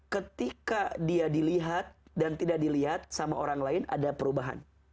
ketika dia dilihat dan tidak dilihat sama orang lain ada perubahan